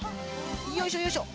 よいしょよいしょ。